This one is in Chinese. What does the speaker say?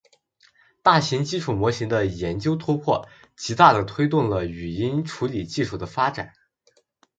大型基础模型的研究突破，极大地推动了语音处理技术的发展。